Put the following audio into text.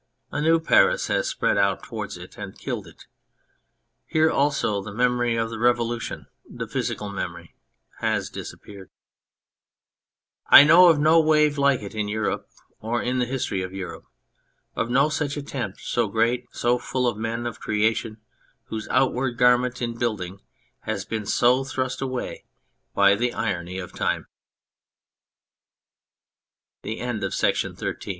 A new Paris has spread out towards it and killed it. Here also the memory of the Revolution, the physical memory, has disappeared. I know of no wave like it in Europe or in the history of Europe : of no such attempt, so great, so full of men and of creation, whose outward garment in building has been so thrust away by t